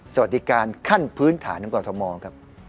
สวัสดีการขั้นพื้นฐานของกรทมครับ